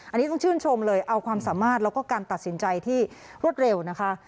อันนี้ต้องชื่นชมเลยเอาความสามารถแล้วก็การตัดสินใจที่รวดเร็วนะคะ